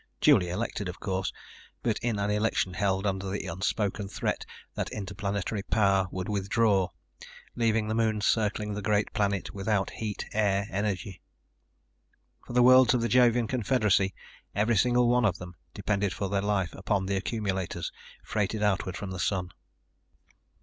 Duly elected, of course, but in an election held under the unspoken threat that Interplanetary Power would withdraw, leaving the moons circling the great planet without heat, air, energy. For the worlds of the Jovian confederacy, every single one of them, depended for their life upon the accumulators freighted outward from the Sun.